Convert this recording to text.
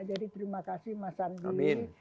jadi terima kasih mas sandi